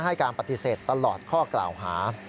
ให้การปฏิเสธตลอดข้อกล่าวหา